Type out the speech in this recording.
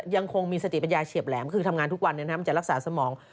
ยังคงมีสติปัญญาเฉียบแหลมคือทำงานทุกวันจะรักษาสมอง